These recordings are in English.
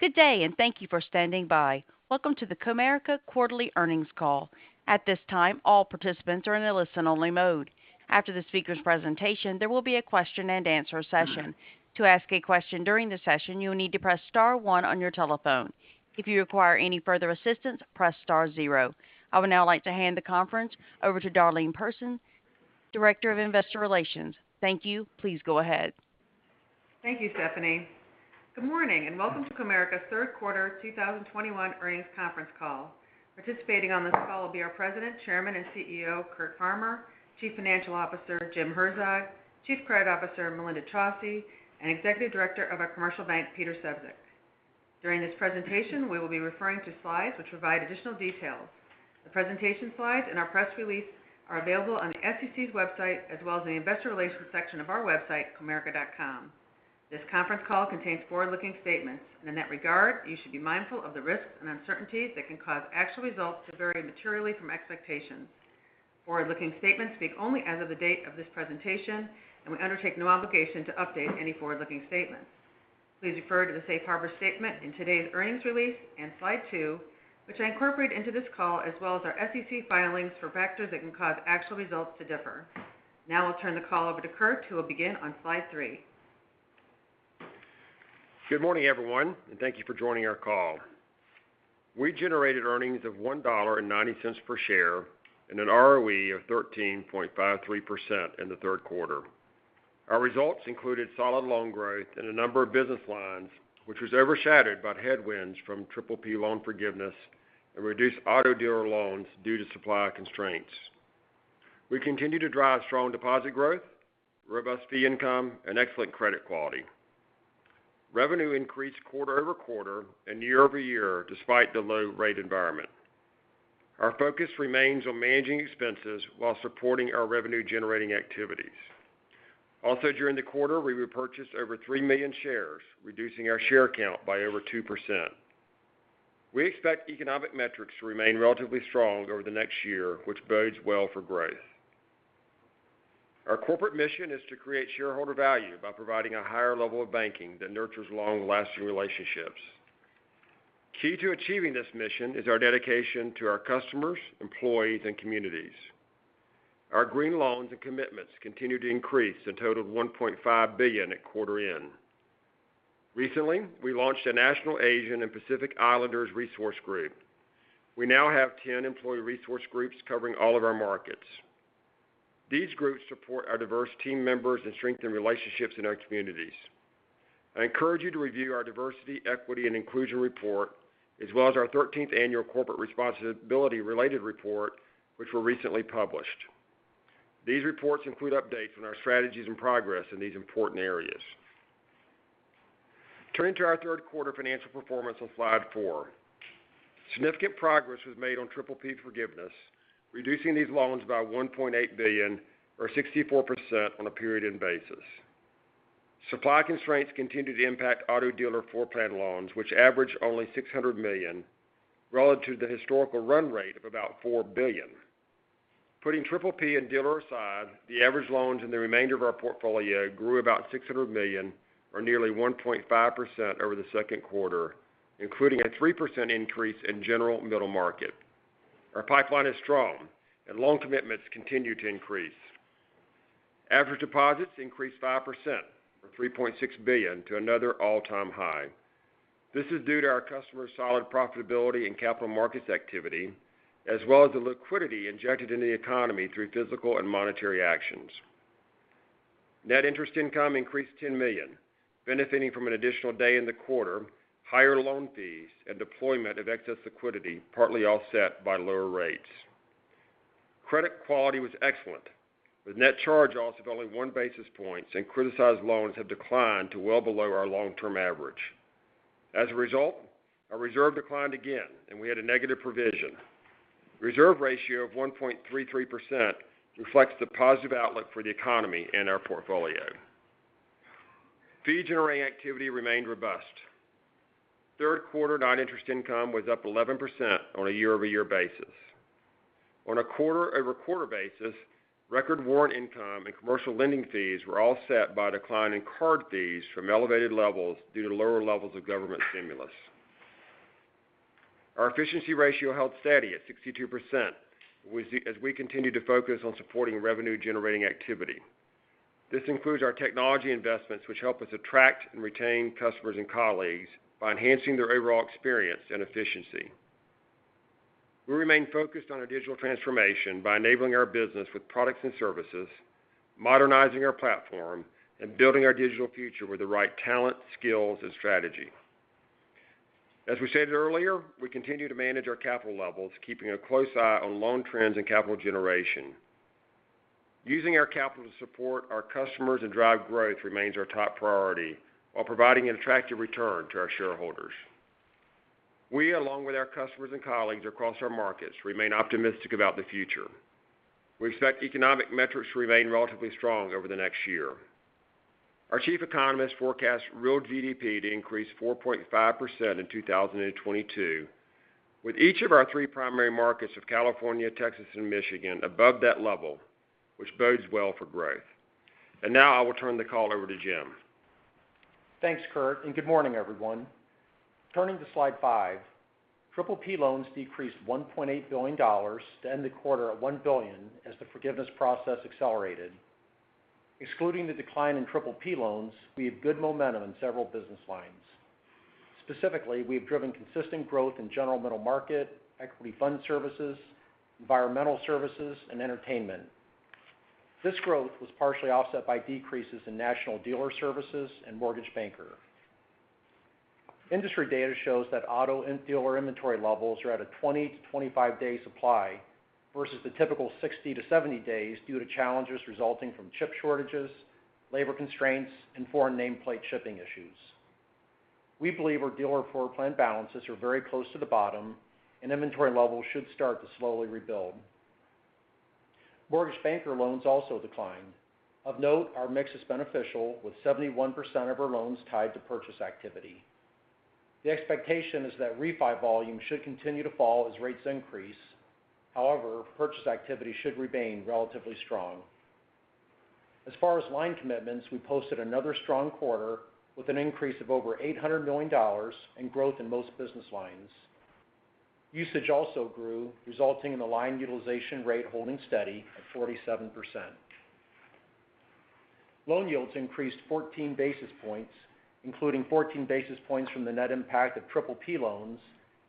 Good day, and thank you for standing by. Welcome to the Comerica Quarterly Earnings Call. At this time, all participants are in a listen-only mode. After the speaker's presentation, there will be a question and answer session. To ask a question during the session, you will need to press star one on your telephone. If you require any further assistance, press star zero. I would now like to hand the conference over to Darlene Persons, Director of Investor Relations. Thank you. Please go ahead. Thank you, Stephanie. Good morning, and welcome to Comerica's Third Quarter 2021 Earnings Conference Call. Participating on this call will be our President, Chairman, and CEO, Curtis Farmer, Chief Financial Officer, James Herzog, Chief Credit Officer, Melinda Chausse, and Executive Director of our Commercial Bank, Peter Sefzik. During this presentation, we will be referring to slides which provide additional details. The presentation slides and our press release are available on the SEC's website, as well as the investor relations section of our website, comerica.com. This conference call contains forward-looking statements. In that regard, you should be mindful of the risks and uncertainties that can cause actual results to vary materially from expectations. Forward-looking statements speak only as of the date of this presentation. We undertake no obligation to update any forward-looking statements. Please refer to the safe harbor statement in today's earnings release and slide two, which I incorporate into this call, as well as our SEC filings for factors that can cause actual results to differ. Now I'll turn the call over to Curtis, who will begin on slide three. Good morning, everyone, and thank you for joining our call. We generated earnings of $1.90 per share and an ROE of 13.53% in the third quarter. Our results included solid loan growth in a number of business lines, which was overshadowed by headwinds from PPP loan forgiveness and reduced auto dealer loans due to supply constraints. We continue to drive strong deposit growth, robust fee income, and excellent credit quality. Revenue increased quarter-over-quarter and year-over-year despite the low rate environment. Our focus remains on managing expenses while supporting our revenue-generating activities. Also, during the quarter, we repurchased over 3 million shares, reducing our share count by over 2%. We expect economic metrics to remain relatively strong over the next year, which bodes well for growth. Our corporate mission is to create shareholder value by providing a higher level of banking that nurtures long-lasting relationships. Key to achieving this mission is our dedication to our customers, employees, and communities. Our green loans and commitments continue to increase and totaled $1.5 billion at quarter end. Recently, we launched a national Asian and Pacific Islanders resource group. We now have 10 employee resource groups covering all of our markets. These groups support our diverse team members and strengthen relationships in our communities. I encourage you to review our diversity, equity, and inclusion report, as well as our 13th annual corporate responsibility related report, which were recently published. These reports include updates on our strategies and progress in these important areas. Turning to our third quarter financial performance on slide four. Significant progress was made on PPP forgiveness, reducing these loans by $1.8 billion or 64% on a period-end basis. Supply constraints continue to impact auto dealer floor plan loans, which average only $600 million relative to the historical run rate of about $4 billion. Putting PPP and dealer aside, the average loans in the remainder of our portfolio grew about $600 million or nearly 1.5% over the second quarter, including a 3% increase in general middle market. Our pipeline is strong and loan commitments continue to increase. Average deposits increased 5% or $3.6 billion to another all-time high. This is due to our customer's solid profitability in capital markets activity, as well as the liquidity injected into the economy through physical and monetary actions. Net interest income increased $10 million, benefiting from an additional day in the quarter, higher loan fees, and deployment of excess liquidity partly offset by lower rates. Credit quality was excellent, with net charge-offs of only 1 basis point. Criticized loans have declined to well below our long-term average. As a result, our reserve declined again. We had a negative provision. Reserve ratio of 1.33% reflects the positive outlook for the economy and our portfolio. Fee generating activity remained robust. Third quarter non-interest income was up 11% on a year-over-year basis. On a quarter-over-quarter basis, record warrant income and commercial lending fees were offset by a decline in card fees from elevated levels due to lower levels of government stimulus. Our efficiency ratio held steady at 62% as we continue to focus on supporting revenue-generating activity. This includes our technology investments which help us attract and retain customers and colleagues by enhancing their overall experience and efficiency. We remain focused on our digital transformation by enabling our business with products and services, modernizing our platform, and building our digital future with the right talent, skills, and strategy. As we stated earlier, we continue to manage our capital levels keeping a close eye on loan trends and capital generation. Using our capital to support our customers and drive growth remains our top priority while providing an attractive return to our shareholders. We, along with our customers and colleagues across our markets, remain optimistic about the future. We expect economic metrics to remain relatively strong over the next year. Our chief economist forecasts real GDP to increase 4.5% in 2022. With each of our three primary markets of California, Texas, and Michigan above that level, which bodes well for growth. Now I will turn the call over to Jim. Thanks, Curt. Good morning, everyone. Turning to slide five, PPP loans decreased $1.8 billion to end the quarter at $1 billion as the forgiveness process accelerated. Excluding the decline in PPP loans, we have good momentum in several business lines. Specifically, we have driven consistent growth in general middle market, equity fund services, environmental services, and entertainment. This growth was partially offset by decreases in National Dealer Services and Mortgage Banker. Industry data shows that auto dealer inventory levels are at a 20-25-day supply versus the typical 60-70 days due to challenges resulting from chip shortages, labor constraints, and foreign nameplate shipping issues. We believe our dealer floor plan balances are very close to the bottom, and inventory levels should start to slowly rebuild. Mortgage Banker loans also declined. Of note, our mix is beneficial, with 71% of our loans tied to purchase activity. The expectation is that refi volume should continue to fall as rates increase. Purchase activity should remain relatively strong. As far as line commitments, we posted another strong quarter with an increase of over $800 million in growth in most business lines. Usage also grew, resulting in the line utilization rate holding steady at 47%. Loan yields increased 14 basis points, including 14 basis points from the net impact of PPP loans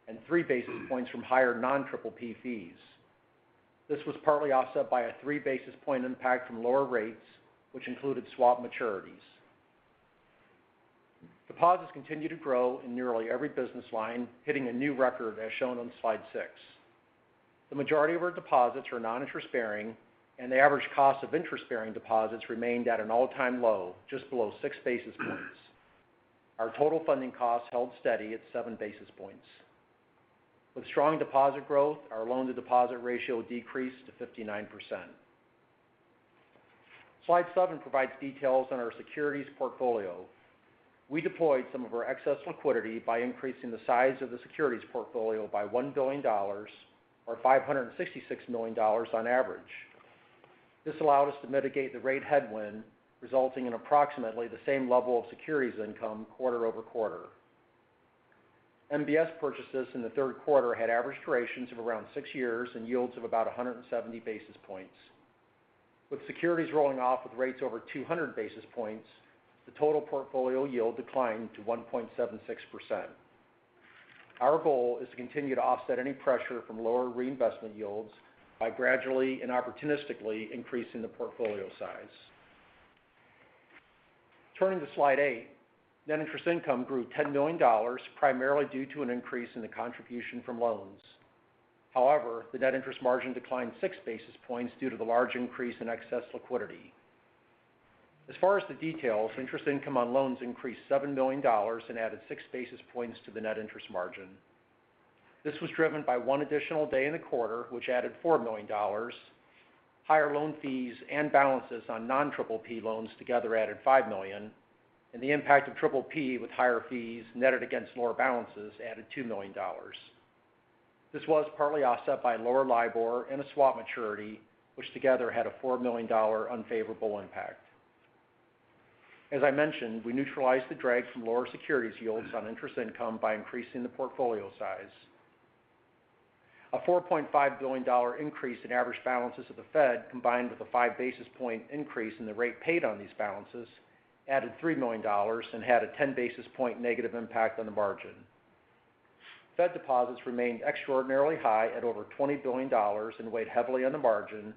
and three basis points from higher non-PPP fees. This was partly offset by a three basis point impact from lower rates, which included swap maturities. Deposits continue to grow in nearly every business line, hitting a new record, as shown on slide six. The majority of our deposits are non-interest bearing, and the average cost of interest-bearing deposits remained at an all-time low, just below 6 basis points. Our total funding cost held steady at 7 basis points. With strong deposit growth, our loan-to-deposit ratio decreased to 59%. Slide seven provides details on our securities portfolio. We deployed some of our excess liquidity by increasing the size of the securities portfolio by $1 billion, or $566 million on average. This allowed us to mitigate the rate headwind, resulting in approximately the same level of securities income quarter-over-quarter. MBS purchases in the third quarter had average durations of around six years and yields of about 170 basis points. With securities rolling off with rates over 200 basis points, the total portfolio yield declined to 1.76%. Our goal is to continue to offset any pressure from lower reinvestment yields by gradually and opportunistically increasing the portfolio size. Turning to slide eight, net interest income grew $10 million, primarily due to an increase in the contribution from loans. However, the net interest margin declined 6 basis points due to the large increase in excess liquidity. As far as the details, interest income on loans increased $7 million and added 6 basis points to the net interest margin. This was driven by one additional day in the quarter, which added $4 million. Higher loan fees and balances on non-PPP loans together added $5 million, and the impact of PPP with higher fees netted against lower balances added $2 million. This was partly offset by lower LIBOR and a swap maturity, which together had a $4 million unfavorable impact. As I mentioned, we neutralized the drag from lower securities yields on interest income by increasing the portfolio size. A $4.5 billion increase in average balances at the Fed, combined with a 5 basis point increase in the rate paid on these balances, added $3 million and had a 10 basis point negative impact on the margin. Fed deposits remained extraordinarily high at over $20 billion and weighed heavily on the margin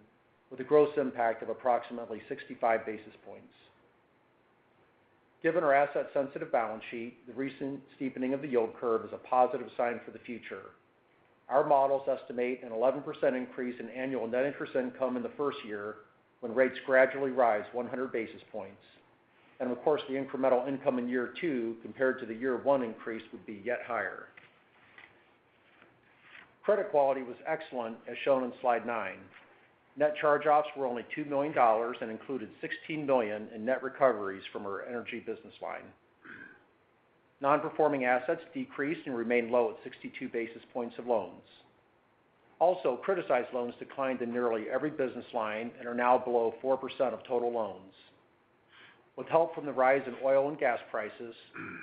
with a gross impact of approximately 65 basis points. Given our asset-sensitive balance sheet, the recent steepening of the yield curve is a positive sign for the future. Our models estimate an 11% increase in annual net interest income in the first year when rates gradually rise 100 basis points. Of course, the incremental income in year two compared to the year one increase would be yet higher. Credit quality was excellent, as shown on slide nine. Net charge-offs were only $2 million and included $16 million in net recoveries from our energy business line. Non-performing assets decreased and remained low at 62 basis points of loans. Criticized loans declined in nearly every business line and are now below 4% of total loans. With help from the rise in oil and gas prices,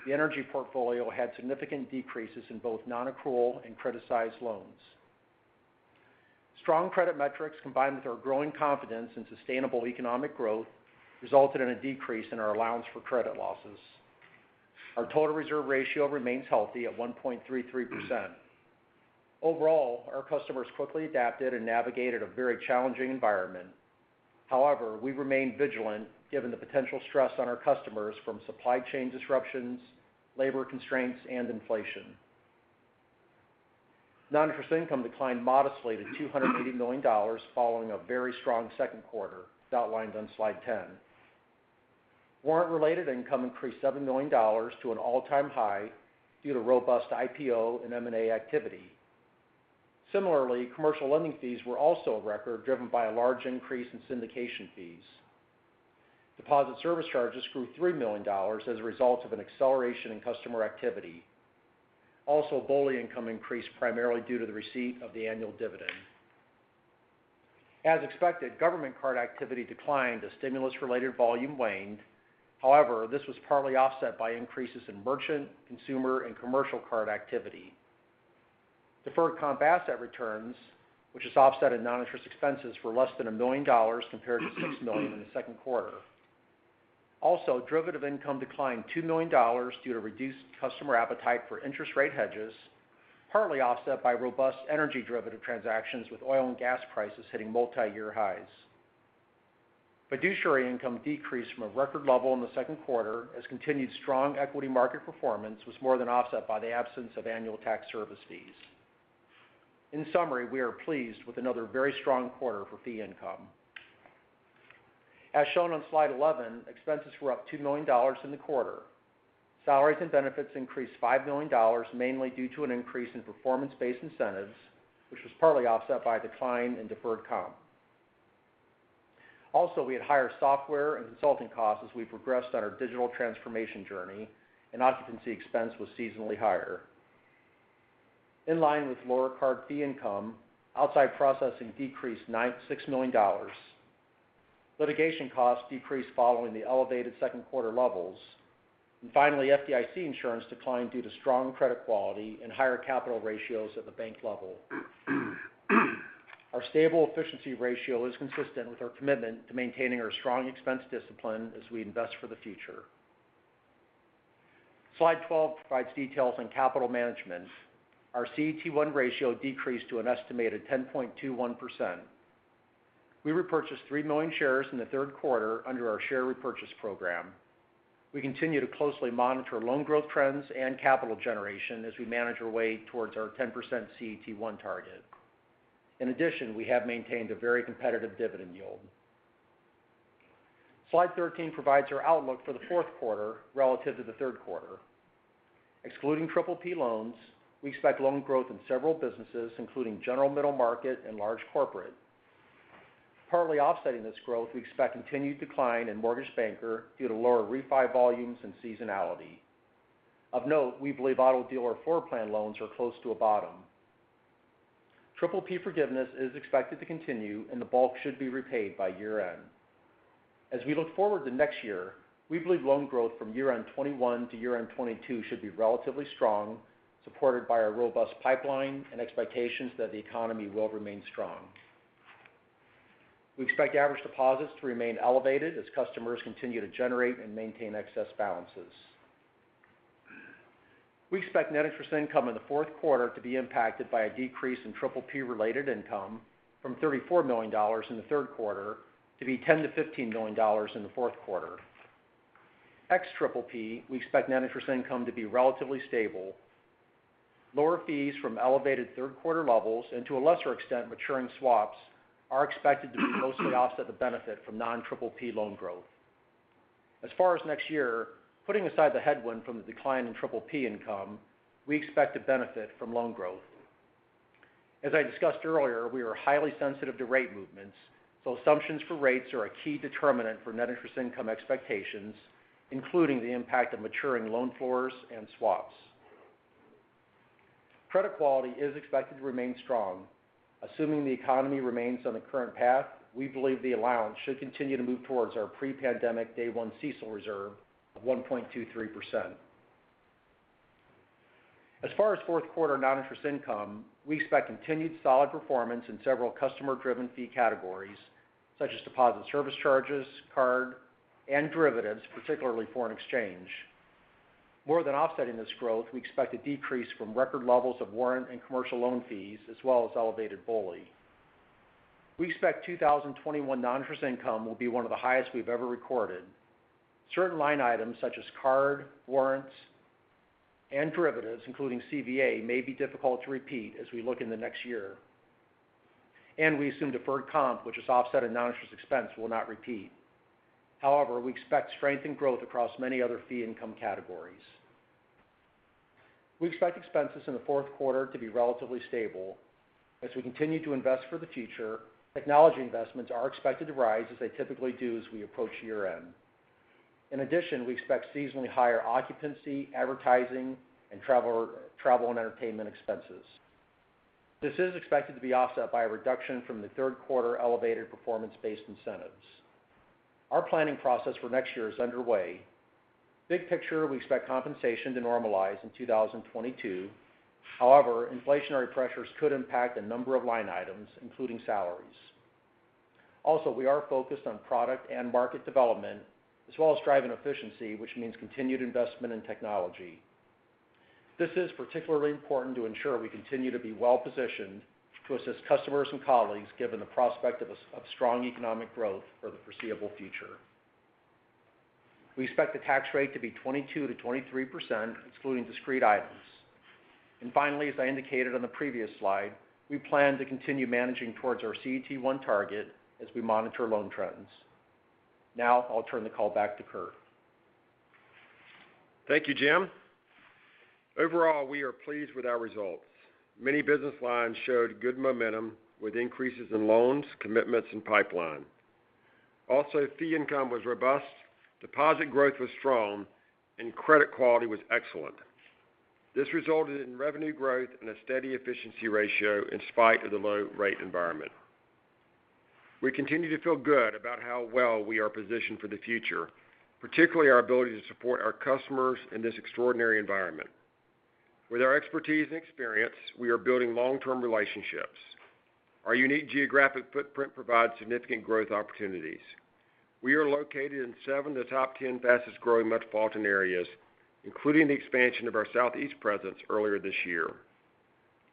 the energy portfolio had significant decreases in both non-accrual and criticized loans. Strong credit metrics, combined with our growing confidence in sustainable economic growth, resulted in a decrease in our allowance for credit losses. Our total reserve ratio remains healthy at 1.33%. Our customers quickly adapted and navigated a very challenging environment. We remain vigilant given the potential stress on our customers from supply chain disruptions, labor constraints, and inflation. Non-interest income declined modestly to $280 million following a very strong second quarter, as outlined on slide 10. Warrant-related income increased $7 million to an all-time high due to robust IPO and M&A activity. Similarly, commercial lending fees were also a record, driven by a large increase in syndication fees. Deposit service charges grew $3 million as a result of an acceleration in customer activity. BOLI income increased primarily due to the receipt of the annual dividend. As expected, government card activity declined as stimulus related volume waned. However, this was partly offset by increases in merchant, consumer, and commercial card activity. Deferred comp asset returns, which is offset in non-interest expenses for less than a million dollars compared to $6 million in the second quarter. Derivative income declined $2 million due to reduced customer appetite for interest rate hedges, partly offset by robust energy derivative transactions with oil and gas prices hitting multi-year highs. Fiduciary income decreased from a record level in the second quarter as continued strong equity market performance was more than offset by the absence of annual tax service fees. In summary, we are pleased with another very strong quarter for fee income. As shown on slide 11, expenses were up $2 million in the quarter. Salaries and benefits increased $5 million, mainly due to an increase in performance-based incentives, which was partly offset by a decline in deferred comp. We had higher software and consulting costs as we progressed on our digital transformation journey, and occupancy expense was seasonally higher. In line with lower card fee income, outside processing decreased $6 million. Litigation costs decreased following the elevated second quarter levels. Finally, FDIC insurance declined due to strong credit quality and higher capital ratios at the bank level. Our stable efficiency ratio is consistent with our commitment to maintaining our strong expense discipline as we invest for the future. Slide 12 provides details on capital management. Our CET1 ratio decreased to an estimated 10.21%. We repurchased 3 million shares in the third quarter under our share repurchase program. We continue to closely monitor loan growth trends and capital generation as we manage our way towards our 10% CET1 target. In addition, we have maintained a very competitive dividend yield. Slide 13 provides our outlook for the fourth quarter relative to the third quarter. Excluding PPP loans, we expect loan growth in several businesses, including general middle market and large corporate. Partly offsetting this growth, we expect continued decline in mortgage banker due to lower refi volumes and seasonality. Of note, we believe auto dealer floor plan loans are close to a bottom. PPP forgiveness is expected to continue and the bulk should be repaid by year-end. As we look forward to next year, we believe loan growth from year-end 2021 to year-end 2022 should be relatively strong, supported by our robust pipeline and expectations that the economy will remain strong. We expect average deposits to remain elevated as customers continue to generate and maintain excess balances. We expect net interest income in the fourth quarter to be impacted by a decrease in PPP related income from $34 million in the third quarter to be $10 million-$15 million in the fourth quarter. Ex-PPP, we expect net interest income to be relatively stable. Lower fees from elevated third quarter levels, and to a lesser extent, maturing swaps, are expected to mostly offset the benefit from non-PPP loan growth. As far as next year, putting aside the headwind from the decline in PPP income, we expect to benefit from loan growth. As I discussed earlier, we are highly sensitive to rate movements, assumptions for rates are a key determinant for net interest income expectations, including the impact of maturing loan floors and swaps. Credit quality is expected to remain strong. Assuming the economy remains on the current path, we believe the allowance should continue to move towards our pre-pandemic day one CECL reserve of 1.23%. As far as fourth quarter non-interest income, we expect continued solid performance in several customer driven fee categories, such as deposit service charges, card, and derivatives, particularly foreign exchange. More than offsetting this growth, we expect a decrease from record levels of warrant and commercial loan fees, as well as elevated BOLI. We expect 2021 non-interest income will be one of the highest we've ever recorded. Certain line items such as card, warrants, and derivatives, including CVA, may be difficult to repeat as we look in the next year. We assume deferred comp, which is offset in non-interest expense, will not repeat. However, we expect strength and growth across many other fee income categories. We expect expenses in the fourth quarter to be relatively stable. As we continue to invest for the future, technology investments are expected to rise as they typically do as we approach year-end. In addition, we expect seasonally higher occupancy, advertising, and travel and entertainment expenses. This is expected to be offset by a reduction from the third quarter elevated performance-based incentives. Our planning process for next year is underway. Big picture, we expect compensation to normalize in 2022. However, inflationary pressures could impact a number of line items, including salaries. Also, we are focused on product and market development, as well as driving efficiency, which means continued investment in technology. This is particularly important to ensure we continue to be well positioned to assist customers and colleagues given the prospect of strong economic growth for the foreseeable future. We expect the tax rate to be 22%-23%, excluding discrete items. Finally, as I indicated on the previous slide, we plan to continue managing towards our CET1 target as we monitor loan trends. Now I'll turn the call back to Curt. Thank you, Jim. Overall, we are pleased with our results. Many business lines showed good momentum with increases in loans, commitments, and pipeline. Also, fee income was robust, deposit growth was strong, and credit quality was excellent. This resulted in revenue growth and a steady efficiency ratio in spite of the low rate environment. We continue to feel good about how well we are positioned for the future, particularly our ability to support our customers in this extraordinary environment. With our expertise and experience, we are building long-term relationships. Our unique geographic footprint provides significant growth opportunities. We are located in seven of the top 10 fastest-growing metropolitan areas, including the expansion of our Southeast presence earlier this year.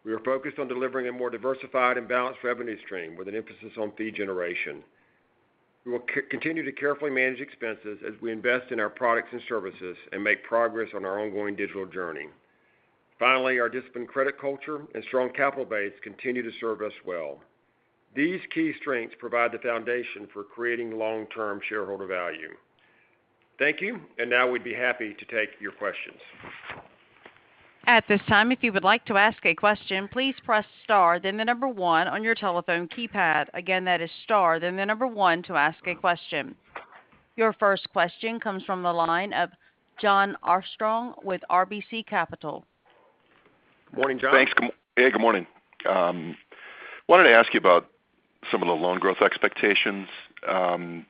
We are focused on delivering a more diversified and balanced revenue stream with an emphasis on fee generation. We will continue to carefully manage expenses as we invest in our products and services and make progress on our ongoing digital journey. Finally, our disciplined credit culture and strong capital base continue to serve us well. These key strengths provide the foundation for creating long-term shareholder value. Thank you. Now we'd be happy to take your questions. At this time, if you would like to ask a question, please press star then number one on your telephone keypad. Again, that is star, number one to ask a question. Your first question comes from the line of Jon Arfstrom with RBC Capital Markets. Morning, Jon. Thanks. Hey, good morning. Wanted to ask you about some of the loan growth expectations. On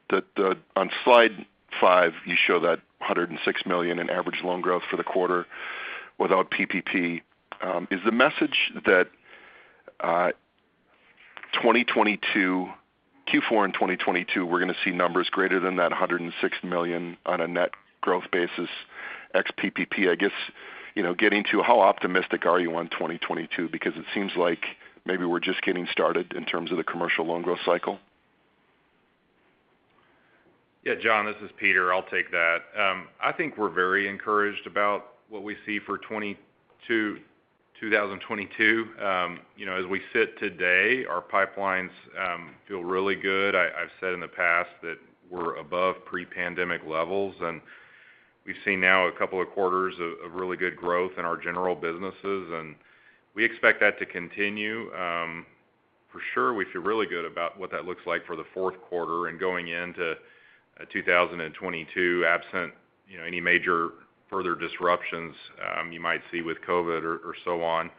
slide five, you show that $106 million in average loan growth for the quarter without PPP. Is the message that Q4 in 2022, we're going to see numbers greater than that $106 million on a net growth basis ex PPP? I guess, getting to how optimistic are you on 2022, because it seems like maybe we're just getting started in terms of the commercial loan growth cycle. Jon, this is Peter. I'll take that. I think we're very encouraged about what we see for 2022. As we sit today, our pipelines feel really good. I've said in the past that we're above pre-pandemic levels, and we've seen now a couple of quarters of really good growth in our general businesses, and we expect that to continue. For sure, we feel really good about what that looks like for the fourth quarter and going into 2022, absent any major further disruptions you might see with COVID or so on.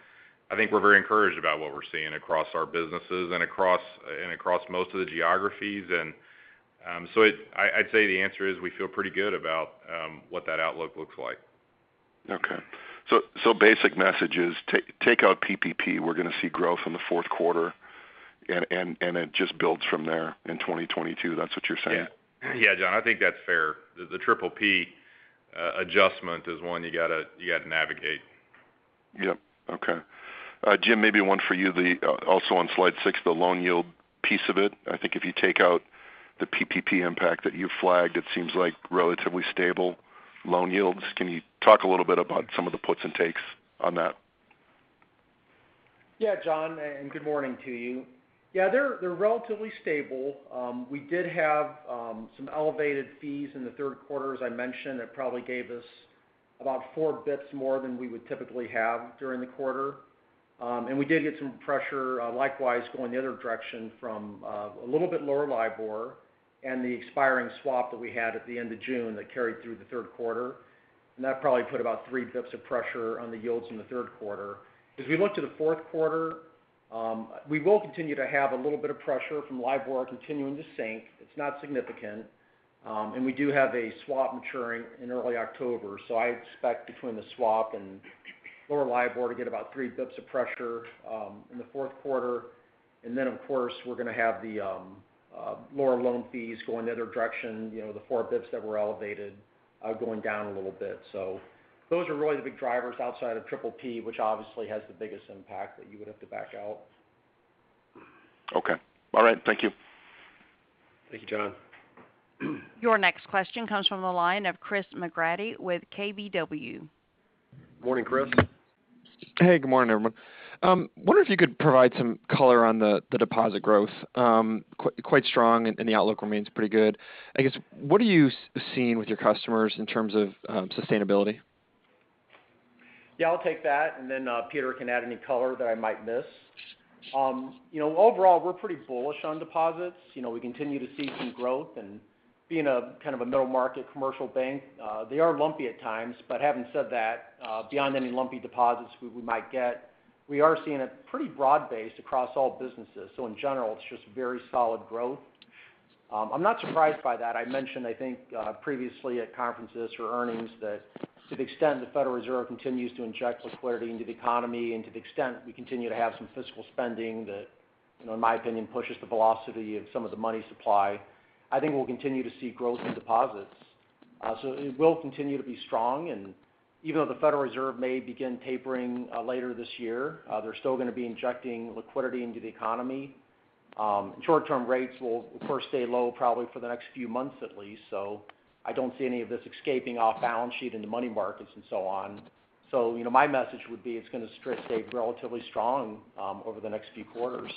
I think we're very encouraged about what we're seeing across our businesses and across most of the geographies. I'd say the answer is we feel pretty good about what that outlook looks like. Okay. Basic message is take out PPP, we're going to see growth in the fourth quarter, and it just builds from there in 2022. That's what you're saying? Yeah. Jon, I think that's fair. The PPP adjustment is one you got to navigate. Jim, maybe one for you. Also on slide six, the loan yield piece of it. I think if you take out the PPP impact that you flagged, it seems like relatively stable loan yields. Can you talk a little bit about some of the puts and takes on that? Yeah, Jon, and good morning to you. They're relatively stable. We did have some elevated fees in the third quarter, as I mentioned. That probably gave us about 4 basis points more than we would typically have during the quarter. We did get some pressure, likewise, going the other direction from a little bit lower LIBOR and the expiring swap that we had at the end of June that carried through the third quarter. That probably put about 3 basis points of pressure on the yields in the third quarter. As we look to the fourth quarter, we will continue to have a little bit of pressure from LIBOR continuing to sink. It's not significant. We do have a swap maturing in early October. I expect between the swap and lower LIBOR to get about 3 basis points of pressure in the fourth quarter. Of course, we're going to have the lower loan fees going the other direction, the 4 basis points that were elevated going down a little bit. Those are really the big drivers outside of PPP, which obviously has the biggest impact that you would have to back out. Okay. All right. Thank you. Thank you, Jon. Your next question comes from the line of Chris McGratty with KBW. Morning, Chris. Hey, good morning, everyone. Wonder if you could provide some color on the deposit growth. Quite strong and the outlook remains pretty good. I guess, what are you seeing with your customers in terms of sustainability? I'll take that, and then Peter can add any color that I might miss. Overall, we're pretty bullish on deposits. We continue to see some growth and being a kind of a middle market Commercial Bank, they are lumpy at times. Having said that, beyond any lumpy deposits we might get, we are seeing a pretty broad base across all businesses. In general, it's just very solid growth. I'm not surprised by that. I mentioned, I think previously at conferences or earnings that to the extent the Federal Reserve continues to inject liquidity into the economy and to the extent we continue to have some fiscal spending that, in my opinion, pushes the velocity of some of the money supply, I think we'll continue to see growth in deposits. It will continue to be strong, and even though the Federal Reserve may begin tapering later this year, they're still going to be injecting liquidity into the economy. Short-term rates will, of course, stay low probably for the next few months at least. I don't see any of this escaping off balance sheet in the money markets and so on. My message would be it's going to stay relatively strong over the next few quarters.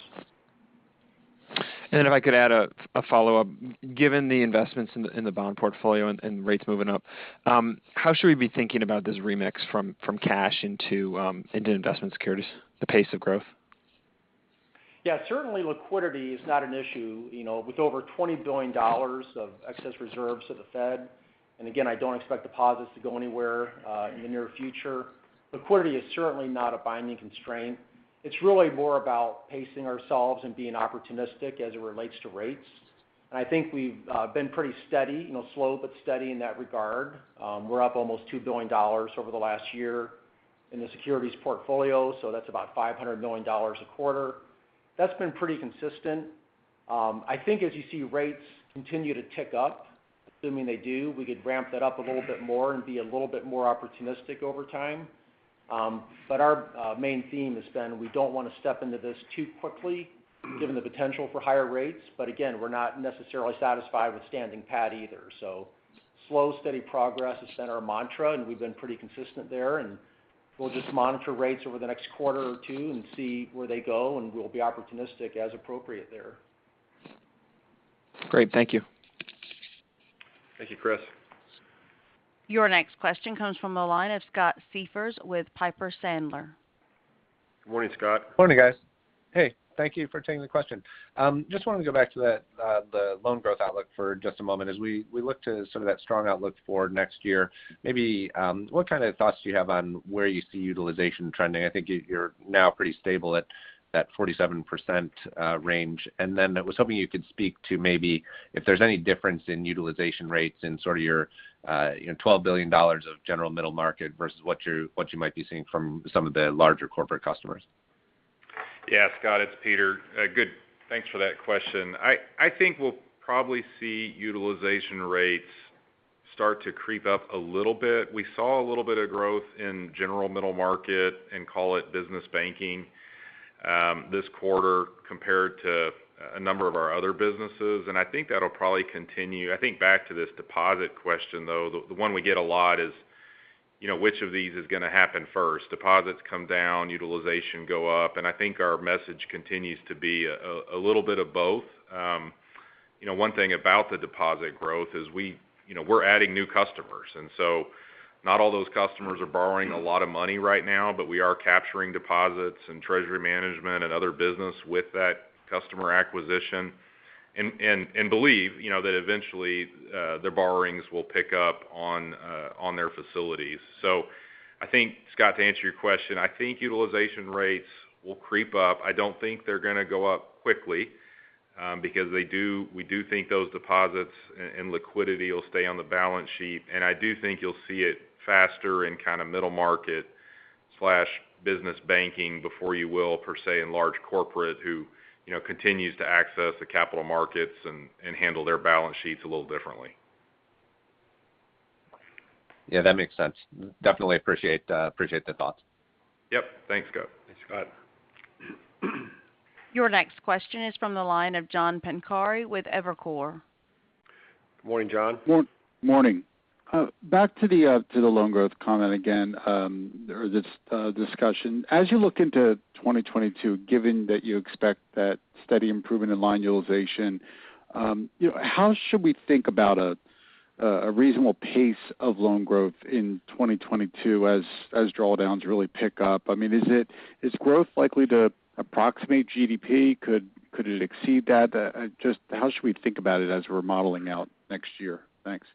If I could add a follow-up. Given the investments in the bond portfolio and rates moving up, how should we be thinking about this remix from cash into investment securities, the pace of growth? Yeah. Certainly, liquidity is not an issue. With over $20 billion of excess reserves to the Fed, and again, I don't expect deposits to go anywhere in the near future. Liquidity is certainly not a binding constraint. It's really more about pacing ourselves and being opportunistic as it relates to rates. I think we've been pretty steady, slow but steady in that regard. We're up almost $2 billion over the last year in the securities portfolio, so that's about $500 million a quarter. That's been pretty consistent. I think as you see rates continue to tick up, assuming they do, we could ramp that up a little bit more and be a little bit more opportunistic over time. Our main theme has been, we don't want to step into this too quickly given the potential for higher rates. Again, we're not necessarily satisfied with standing pat either. Slow, steady progress has been our mantra, and we've been pretty consistent there, and we'll just monitor rates over the next quarter or two and see where they go, and we'll be opportunistic as appropriate there. Great. Thank you. Thank you, Chris. Your next question comes from the line of Scott Siefers with Piper Sandler. Good morning, Scott. Morning, guys. Hey, thank you for taking the question. Just wanted to go back to the loan growth outlook for just a moment. As we look to some of that strong outlook for next year, maybe what kind of thoughts do you have on where you see utilization trending? I think you're now pretty stable at that 47% range. I was hoping you could speak to maybe if there's any difference in utilization rates in sort of your $12 billion of general middle market versus what you might be seeing from some of the larger corporate customers. Yeah, Scott, it's Peter. Good. Thanks for that question. I think we'll probably see utilization rates start to creep up a little bit. We saw a little bit of growth in general middle market, and call it business banking, this quarter compared to a number of our other businesses. I think that'll probably continue. I think back to this deposit question, though. The one we get a lot is which of these is going to happen first? Deposits come down, utilization go up. I think our message continues to be a little bit of both. One thing about the deposit growth is we're adding new customers. Not all those customers are borrowing a lot of money right now. We are capturing deposits and treasury management and other business with that customer acquisition. Believe that eventually their borrowings will pick up on their facilities. I think, Scott, to answer your question, I think utilization rates will creep up. I don't think they're going to go up quickly because we do think those deposits and liquidity will stay on the balance sheet. I do think you'll see it faster in kind of middle market/business banking before you will, per se, in large corporate who continues to access the capital markets and handle their balance sheets a little differently. Yeah, that makes sense. Definitely appreciate the thoughts. Yep. Thanks, Scott. Thanks, Scott. Your next question is from the line of John Pancari with Evercore. Good morning, John. Morning. Back to the loan growth comment again or this discussion. As you look into 2022, given that you expect that steady improvement in line utilization, how should we think about a reasonable pace of loan growth in 2022 as drawdowns really pick up? Is growth likely to approximate GDP? Could it exceed that? Just how should we think about it as we're modeling out next year? Thanks.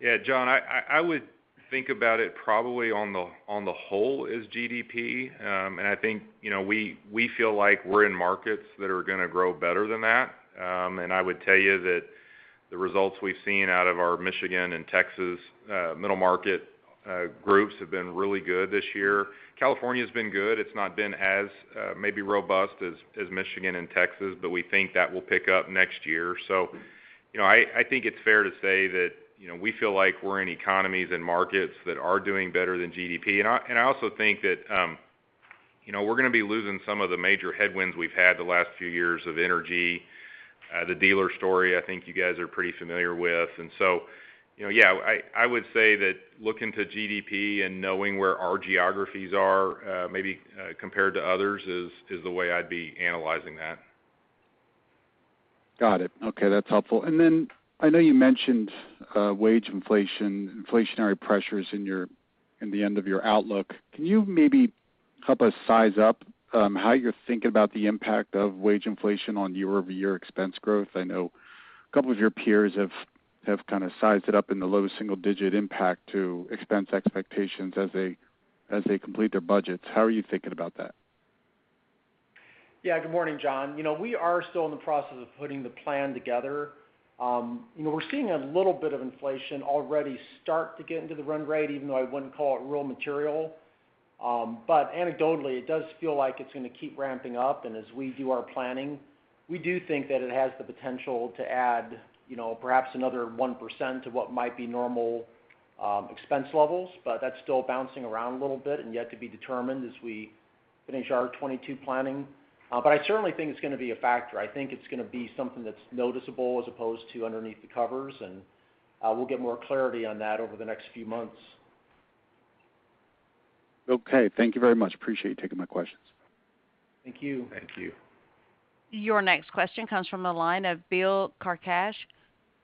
Yeah, John, I would think about it probably on the whole as GDP. I think we feel like we're in markets that are going to grow better than that. I would tell you that the results we've seen out of our Michigan and Texas middle market groups have been really good this year. California's been good. It's not been as maybe robust as Michigan and Texas, but we think that will pick up next year. I think it's fair to say that we feel like we're in economies and markets that are doing better than GDP. I also think that we're going to be losing some of the major headwinds we've had the last few years of energy. The dealer story, I think you guys are pretty familiar with. Yeah. I would say that looking to GDP and knowing where our geographies are maybe compared to others is the way I'd be analyzing that. Got it. Okay. That's helpful. I know you mentioned wage inflation, inflationary pressures in the end of your outlook. Can you maybe help us size up how you're thinking about the impact of wage inflation on year-over-year expense growth? I know a couple of your peers have kind of sized it up in the low single-digit impact to expense expectations as they complete their budgets. How are you thinking about that? Yeah. Good morning, John. We are still in the process of putting the plan together. We're seeing a little bit of inflation already start to get into the run rate, even though I wouldn't call it raw material. Anecdotally, it does feel like it's going to keep ramping up. As we do our planning, we do think that it has the potential to add perhaps another 1% to what might be normal expense levels. That's still bouncing around a little bit and yet to be determined as we finish our 2022 planning. I certainly think it's going to be a factor. I think it's going to be something that's noticeable as opposed to underneath the covers, and we'll get more clarity on that over the next few months. Okay. Thank you very much. Appreciate you taking my questions. Thank you. Thank you. Your next question comes from the line of Bill Carcache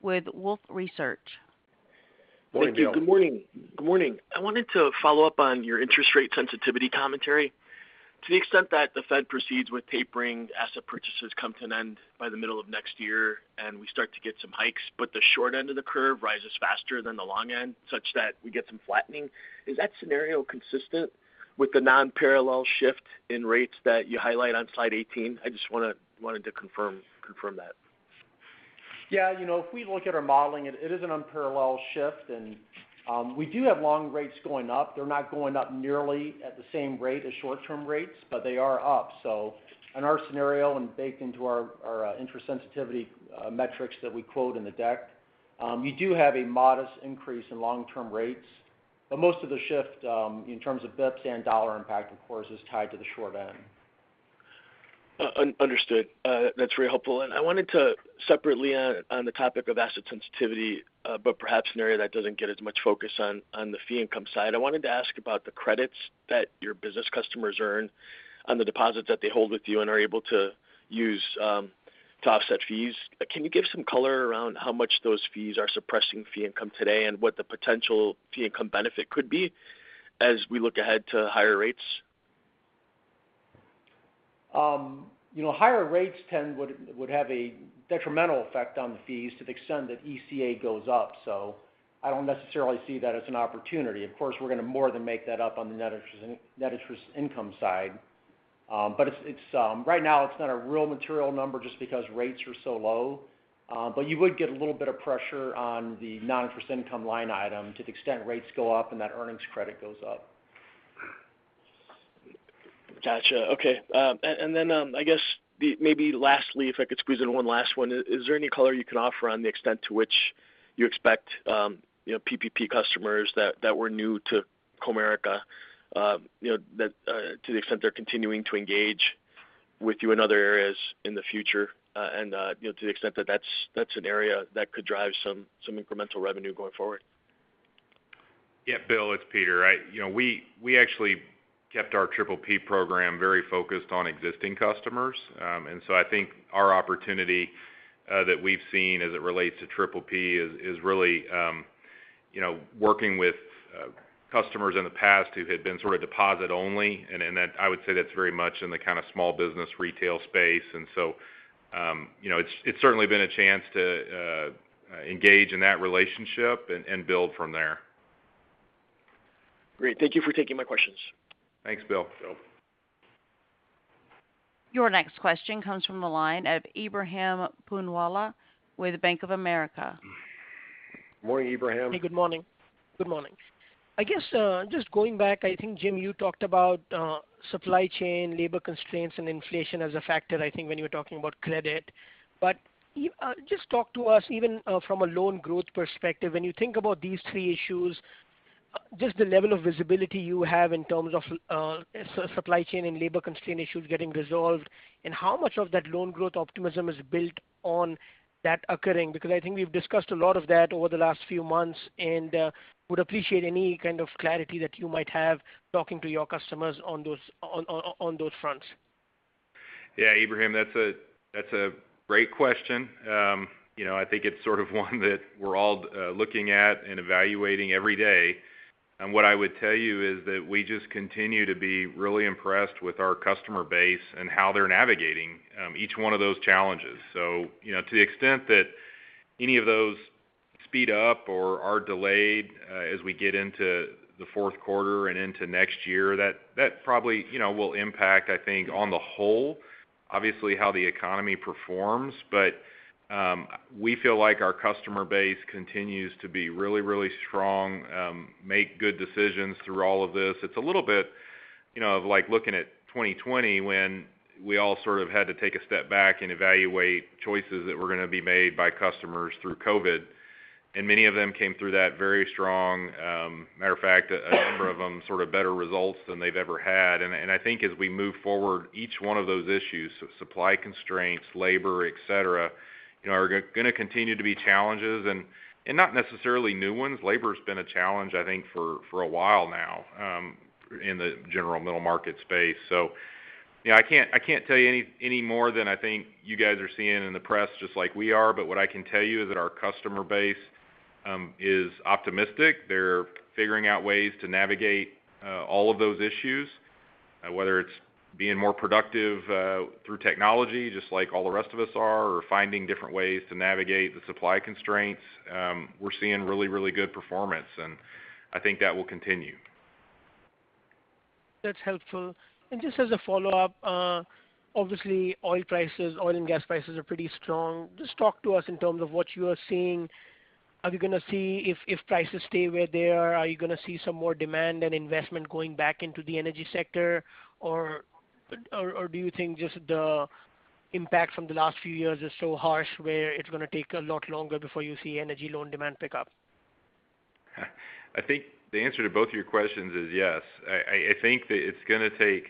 with Wolfe Research. Morning, Bill. Thank you. Good morning. I wanted to follow up on your interest rate sensitivity commentary. To the extent that the Fed proceeds with tapering, asset purchases come to an end by the middle of next year, and we start to get some hikes, but the short end of the curve rises faster than the long end, such that we get some flattening. Is that scenario consistent with the non-parallel shift in rates that you highlight on slide 18? I just wanted to confirm that. Yeah. If we look at our modeling, it is an unparalleled shift. We do have long rates going up. They're not going up nearly at the same rate as short-term rates, but they are up. In our scenario and baked into our interest sensitivity metrics that we quote in the deck, we do have a modest increase in long-term rates. Most of the shift, in terms of basis points and dollar impact, of course, is tied to the short end. Understood. That's very helpful. I wanted to separately on the topic of asset sensitivity, but perhaps an area that doesn't get as much focus on the fee income side. I wanted to ask about the credits that your business customers earn on the deposits that they hold with you and are able to use to offset fees. Can you give some color around how much those fees are suppressing fee income today and what the potential fee income benefit could be as we look ahead to higher rates? Higher rates would have a detrimental effect on the fees to the extent that ECA goes up. I don't necessarily see that as an opportunity. Of course, we're going to more than make that up on the net interest income side. Right now it's not a real material number just because rates are so low. You would get a little bit of pressure on the non-interest income line item to the extent rates go up and that earnings credit goes up. Got you. Okay. I guess maybe lastly, if I could squeeze in one last one, is there any color you can offer on the extent to which you expect PPP customers that were new to Comerica to the extent they're continuing to engage with you in other areas in the future, and to the extent that that's an area that could drive some incremental revenue going forward? Yeah. Bill, it's Peter. We actually kept our PPP program very focused on existing customers. I think our opportunity that we've seen as it relates to PPP is really working with customers in the past who had been sort of deposit only, and I would say that's very much in the kind of small business retail space. It's certainly been a chance to engage in that relationship and build from there. Great. Thank you for taking my questions. Thanks, Bill. Your next question comes from the line of Ebrahim Poonawala with Bank of America. Morning, Ebrahim. Hey. Good morning. I guess just going back, I think, Jim, you talked about supply chain labor constraints and inflation as a factor, I think when you were talking about credit. Just talk to us even from a loan growth perspective, when you think about these three issues, just the level of visibility you have in terms of supply chain and labor constraint issues getting resolved, and how much of that loan growth optimism is built on that occurring? I think we've discussed a lot of that over the last few months, and would appreciate any kind of clarity that you might have talking to your customers on those fronts. Yeah. Ebrahim, that's a great question. I think it's sort of one that we're all looking at and evaluating every day. What I would tell you is that we just continue to be really impressed with our customer base and how they're navigating each one of those challenges. To the extent that any of those speed up or are delayed as we get into the fourth quarter and into next year, that probably will impact, I think, on the whole, obviously how the economy performs. We feel like our customer base continues to be really strong, make good decisions through all of this. It's a little bit of like looking at 2020 when we all sort of had to take a step back and evaluate choices that were going to be made by customers through COVID. Many of them came through that very strong. Matter of fact, a number of them sort of better results than they've ever had. I think as we move forward, each one of those issues, supply constraints, labor, et cetera, are going to continue to be challenges, and not necessarily new ones. Labor's been a challenge, I think, for a while now in the general middle market space. Yeah, I can't tell you any more than I think you guys are seeing in the press just like we are. What I can tell you is that our customer base is optimistic. They're figuring out ways to navigate all of those issues, whether it's being more productive through technology, just like all the rest of us are, or finding different ways to navigate the supply constraints. We're seeing really good performance, and I think that will continue. That's helpful. Just as a follow-up, obviously oil and gas prices are pretty strong. Just talk to us in terms of what you are seeing. Are we going to see if prices stay where they are? Are you going to see some more demand and investment going back into the energy sector? Do you think just the impact from the last few years is so harsh where it's going to take a lot longer before you see energy loan demand pick up? I think the answer to both of your questions is yes. I think that it's going to take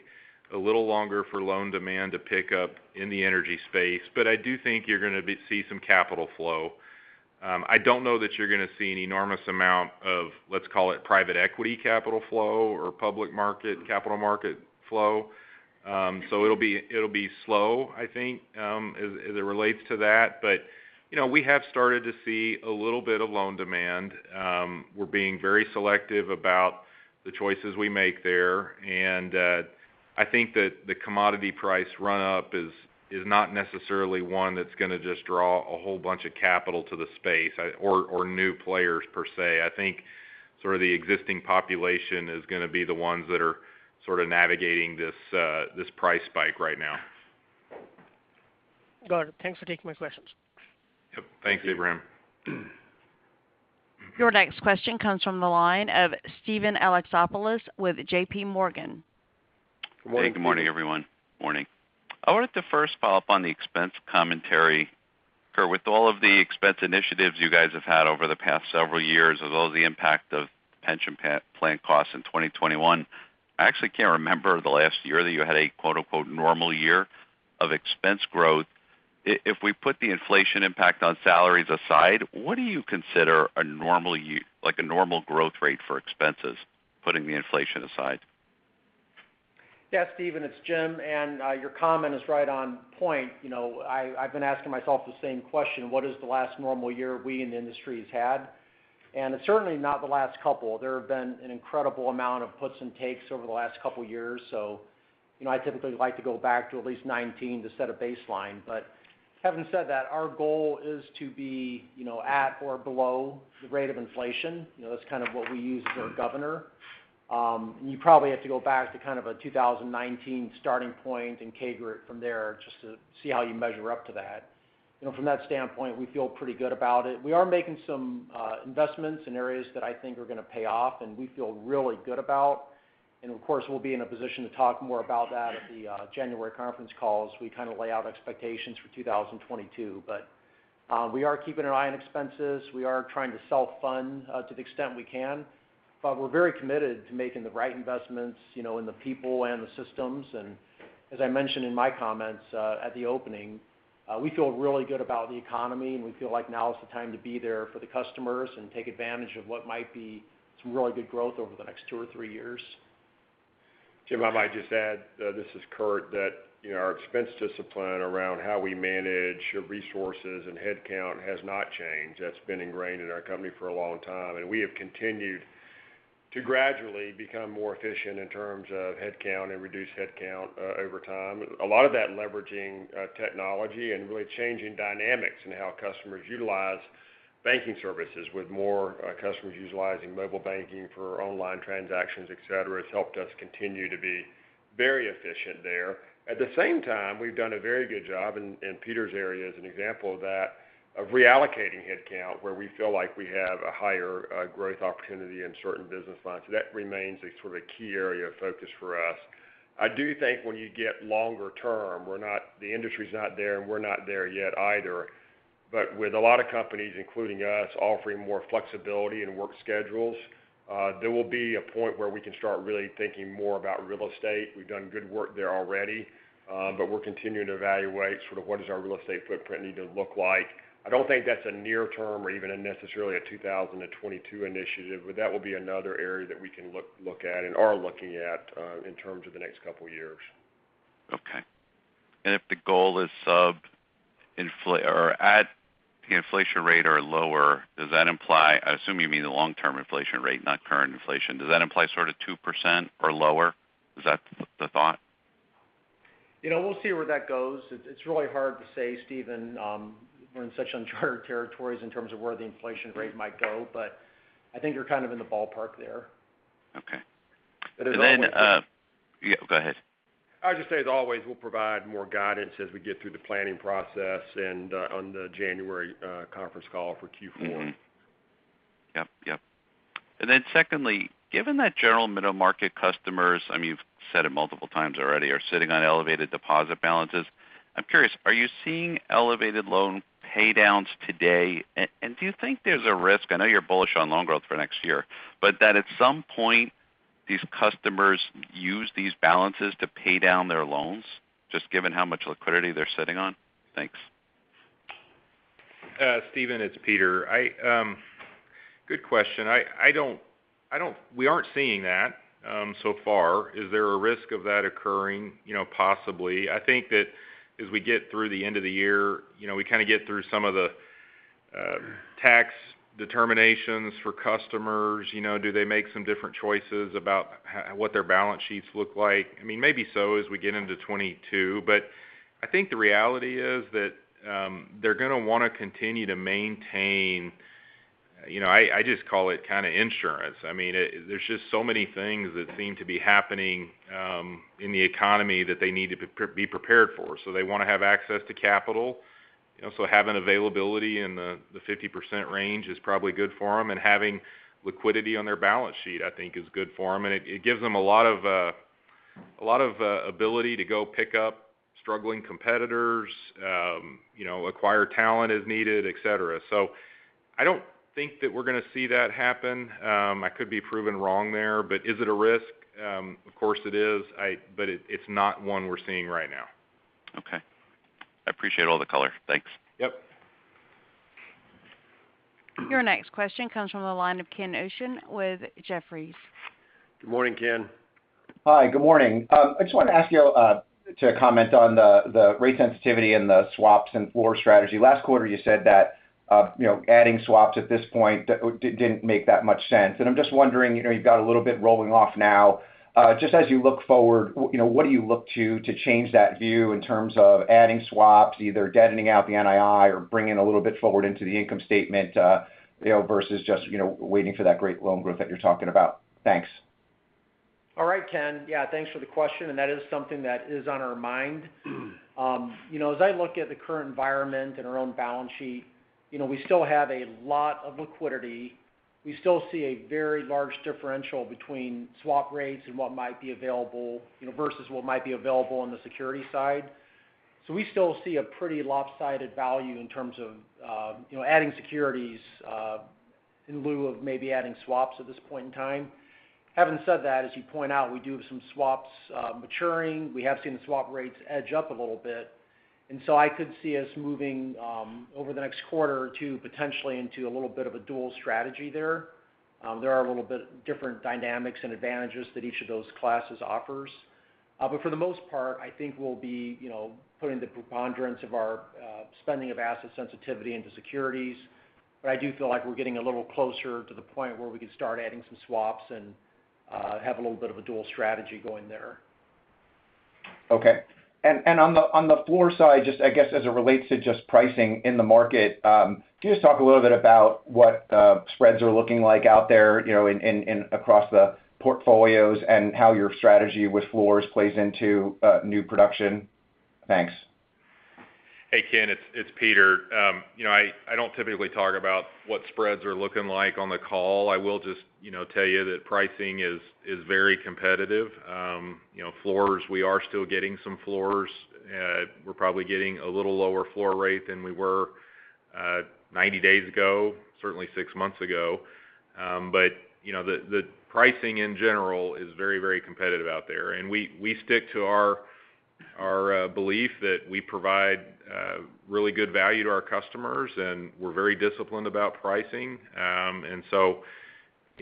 a little longer for loan demand to pick up in the energy space, but I do think you're going to see some capital flow. I don't know that you're going to see an enormous amount of, let's call it private equity capital flow or public market capital market flow. It'll be slow, I think, as it relates to that. We have started to see a little bit of loan demand. We're being very selective about the choices we make there. I think that the commodity price run-up is not necessarily one that's going to just draw a whole bunch of capital to the space or new players per se. I think the existing population is going to be the ones that are sort of navigating this price spike right now. Got it. Thanks for taking my questions. Yep. Thanks, Ebrahim. Your next question comes from the line of Steven Alexopoulos with JPMorgan. Hey, good morning everyone. Morning. I wanted to first follow up on the expense commentary. Curt, with all of the expense initiatives you guys have had over the past several years, as well as the impact of pension plan costs in 2021, I actually can't remember the last year that you had a "normal year" of expense growth. If we put the inflation impact on salaries aside, what do you consider a normal growth rate for expenses, putting the inflation aside? Yes, Steven, it's Jim. Your comment is right on point. I've been asking myself the same question, what is the last normal year we in the industry have had? It's certainly not the last couple. There have been an incredible amount of puts and takes over the last couple of years. I typically like to go back to at least 2019 to set a baseline. Having said that, our goal is to be at or below the rate of inflation. That's kind of what we use as our governor. You probably have to go back to kind of a 2019 starting point and CAGR it from there just to see how you measure up to that. From that standpoint, we feel pretty good about it. We are making some investments in areas that I think are going to pay off, and we feel really good about. Of course, we'll be in a position to talk more about that at the January conference call, as we kind of lay out expectations for 2022. We are keeping an eye on expenses. We are trying to self-fund to the extent we can. We're very committed to making the right investments in the people and the systems. As I mentioned in my comments at the opening, we feel really good about the economy, and we feel like now is the time to be there for the customers and take advantage of what might be some really good growth over the next two or three years. Jim, I might just add, this is Curtis, that our expense discipline around how we manage resources and head count has not changed. That's been ingrained in our company for a long time, and we have continued to gradually become more efficient in terms of head count and reduce head count over time. A lot of that leveraging technology and really changing dynamics in how customers utilize banking services with more customers utilizing mobile banking for online transactions, et cetera, has helped us continue to be very efficient there. At the same time, we've done a very good job, and Peter's area is an example of that, of reallocating head count where we feel like we have a higher growth opportunity in certain business lines. That remains a sort of key area of focus for us. I do think when you get longer term, the industry's not there and we're not there yet either. With a lot of companies, including us, offering more flexibility in work schedules, there will be a point where we can start really thinking more about real estate. We've done good work there already. We are continuing to evaluate sort of what does our real estate footprint need to look like. I don't think that's a near term or even necessarily a 2022 initiative. That will be another area that we can look at and are looking at in terms of the next couple years. Okay. If the goal is at the inflation rate or lower, does that imply, I assume you mean the long-term inflation rate, not current inflation, does that imply sort of 2% or lower? Is that the thought? We'll see where that goes. It's really hard to say, Steven. We're in such uncharted territories in terms of where the inflation rate might go, but I think you're kind of in the ballpark there. Okay. Go ahead. I would just say, as always, we'll provide more guidance as we get through the planning process and on the January conference call for Q4. Yep. Secondly, given that general middle-market customers, you've said it multiple times already, are sitting on elevated deposit balances, I'm curious, are you seeing elevated loan paydowns today? Do you think there's a risk, I know you're bullish on loan growth for next year, but that at some point these customers use these balances to pay down their loans, just given how much liquidity they're sitting on? Thanks. Steven, it's Peter. Good question. We aren't seeing that so far. Is there a risk of that occurring? Possibly. I think that as we get through the end of the year, we kind of get through some of the tax determinations for customers. Do they make some different choices about what their balance sheets look like? Maybe so as we get into 2022. I think the reality is that they're going to want to continue to maintain, I just call it kind of insurance. There's just so many things that seem to be happening in the economy that they need to be prepared for. They want to have access to capital. Having availability in the 50% range is probably good for them, and having liquidity on their balance sheet, I think is good for them. It gives them a lot of ability to go pick up struggling competitors, acquire talent as needed, et cetera. I don't think that we're going to see that happen. I could be proven wrong there. Is it a risk? Of course it is, but it's not one we're seeing right now. Okay. I appreciate all the color. Thanks. Yep. Your next question comes from the line of Ken Usdin with Jefferies. Good morning, Ken. Hi. Good morning. I just wanted to ask you to comment on the rate sensitivity and the swaps and floor strategy. Last quarter, you said that adding swaps at this point didn't make that much sense. I'm just wondering, you've got a little bit rolling off now, just as you look forward, what do you look to change that view in terms of adding swaps, either deadening out the NII or bringing a little bit forward into the income statement versus just waiting for that great loan growth that you're talking about? Thanks. All right, Ken. Thanks for the question. That is something that is on our mind. As I look at the current environment and our own balance sheet, we still have a lot of liquidity. We still see a very large differential between swap rates and what might be available versus what might be available on the security side. We still see a pretty lopsided value in terms of adding securities in lieu of maybe adding swaps at this point in time. Having said that, as you point out, we do have some swaps maturing. We have seen the swap rates edge up a little bit. I could see us moving over the next quarter or two, potentially into a little bit of a dual strategy there. There are a little bit different dynamics and advantages that each of those classes offers. For the most part, I think we'll be putting the preponderance of our spending of asset sensitivity into securities. I do feel like we're getting a little closer to the point where we could start adding some swaps and have a little bit of a dual strategy going there. Okay. On the floor side, just I guess as it relates to just pricing in the market, can you just talk a little bit about what spreads are looking like out there across the portfolios and how your strategy with floors plays into new production? Thanks. Hey, Ken, it's Peter. I don't typically talk about what spreads are looking like on the call. I will just tell you that pricing is very competitive. Floors, we are still getting some floors. We're probably getting a little lower floor rate than we were 90 days ago, certainly six months ago. The pricing in general is very competitive out there. We stick to our belief that we provide really good value to our customers, and we're very disciplined about pricing. We're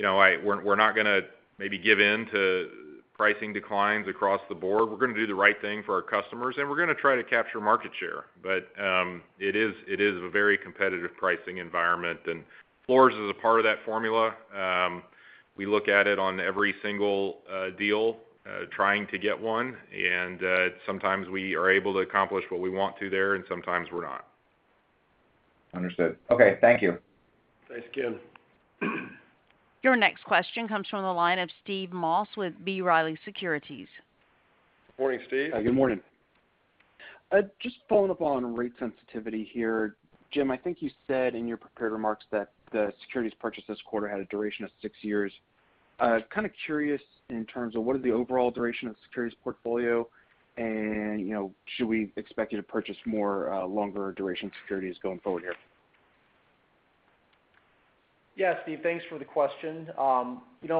not going to maybe give in to pricing declines across the board. We're going to do the right thing for our customers, and we're going to try to capture market share. It is a very competitive pricing environment, and floors is a part of that formula. We look at it on every single deal, trying to get one, and sometimes we are able to accomplish what we want to there, and sometimes we're not. Understood. Okay. Thank you. Thanks, Ken. Your next question comes from the line of Steve Moss with B. Riley Securities. Morning, Steve. Good morning. Just following up on rate sensitivity here. Jim, I think you said in your prepared remarks that the securities purchase this quarter had a duration of six years. Kind of curious in terms of what is the overall duration of the securities portfolio, and should we expect you to purchase more longer duration securities going forward here? Steve, thanks for the question.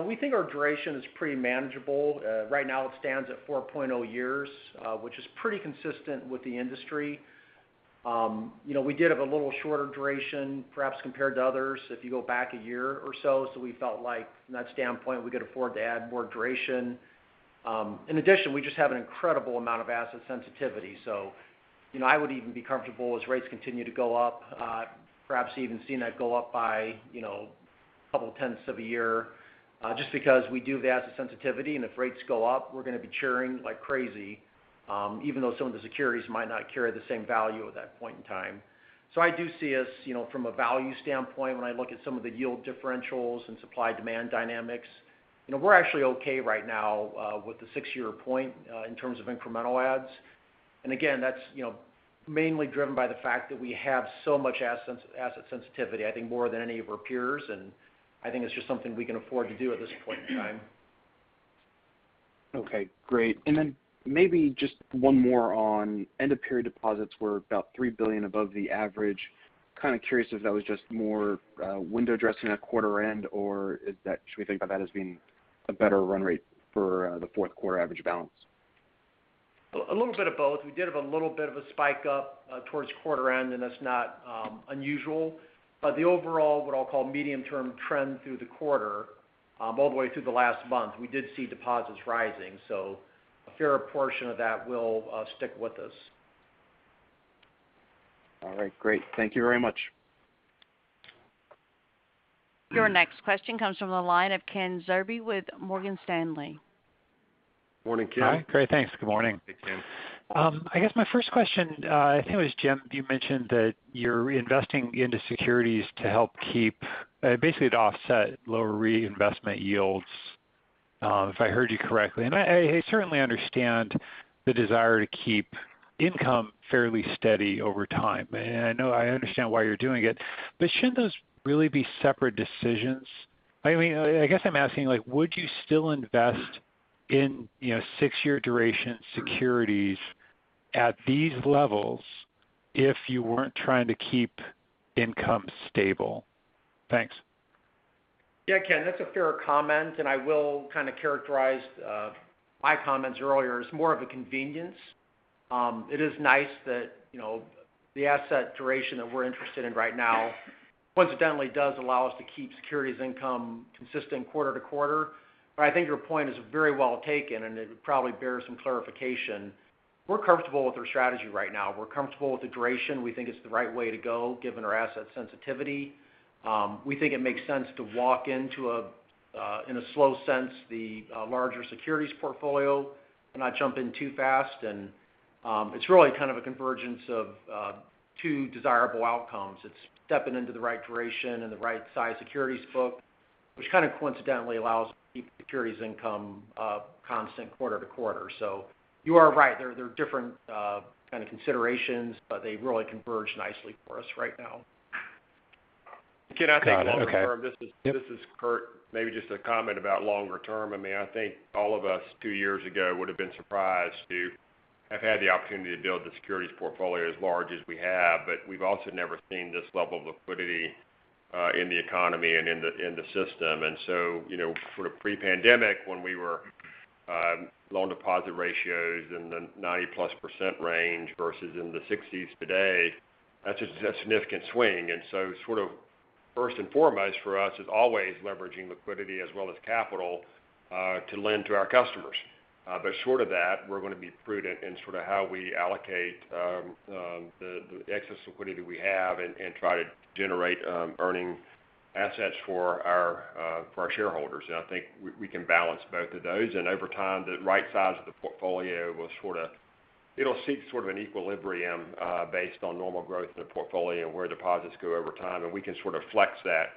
We think our duration is pretty manageable. Right now it stands at 4.0 years, which is pretty consistent with the industry. We did have a little shorter duration, perhaps compared to others if you go back a year or so. We felt like from that standpoint, we could afford to add more duration. In addition, we just have an incredible amount of asset sensitivity. I would even be comfortable as rates continue to go up, perhaps even seeing that go up by a couple tenths of a year, just because we do have the asset sensitivity. If rates go up, we're going to be churning like crazy, even though some of the securities might not carry the same value at that point in time. I do see us from a value standpoint, when I look at some of the yield differentials and supply-demand dynamics, we're actually okay right now with the six-year point in terms of incremental adds. Again, that's mainly driven by the fact that we have so much asset sensitivity, I think, more than any of our peers. I think it's just something we can afford to do at this point in time. Okay. Great. Then maybe just one more on end-of-period deposits were about $3 billion above the average. Kind of curious if that was just more window dressing at quarter end, or should we think about that as being a better run rate for the fourth quarter average balance? A little bit of both. We did have a little bit of a spike up towards quarter end, and that's not unusual. The overall, what I'll call medium term trend through the quarter all the way through the last month, we did see deposits rising. A fair portion of that will stick with us. All right. Great. Thank you very much. Your next question comes from the line of Ken Zerbe with Morgan Stanley. Morning, Ken. Hi. Great, thanks. Good morning. Hey, Ken. I guess my first question, I think it was Jim, you mentioned that you're reinvesting into securities to help keep basically to offset lower reinvestment yields, if I heard you correctly, and I certainly understand the desire to keep income fairly steady over time. I understand why you're doing it, but shouldn't those really be separate decisions? I guess I'm asking, would you still invest in six-year duration securities at these levels if you weren't trying to keep income stable? Thanks. Ken, that's a fair comment. I will kind of characterize my comments earlier as more of a convenience. It is nice that the asset duration that we're interested in right now coincidentally does allow us to keep securities income consistent quarter to quarter. I think your point is very well taken, and it would probably bear some clarification. We're comfortable with our strategy right now. We're comfortable with the duration. We think it's the right way to go, given our asset sensitivity. We think it makes sense to walk into, in a slow sense, the larger securities portfolio and not jump in too fast. It's really kind of a convergence of two desirable outcomes. It's stepping into the right duration and the right size securities book, which kind of coincidentally allows securities income constant quarter to quarter. You are right. There are different kind of considerations, but they really converge nicely for us right now. Got it. Okay. This is Curtis. Maybe just a comment about longer term. I think all of us two years ago would've been surprised to have had the opportunity to build the securities portfolio as large as we have, but we've also never seen this level of liquidity in the economy and in the system. Sort of pre-pandemic, when we were loan deposit ratios in the 90-plus percent range versus in the 60s today, that's a significant swing. Sort of first and foremost for us is always leveraging liquidity as well as capital to lend to our customers. But short of that, we're going to be prudent in how we allocate the excess liquidity we have and try to generate earning assets for our shareholders. I think we can balance both of those. Over time, the right size of the portfolio will sort of seek an equilibrium based on normal growth in the portfolio and where deposits go over time. We can sort of flex that